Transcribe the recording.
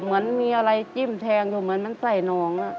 เหมือนมีอะไรจิ้มแทงอยู่เหมือนมันใส่น้อง